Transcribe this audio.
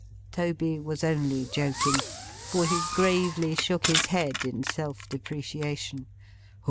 Toby was only joking, for he gravely shook his head in self depreciation.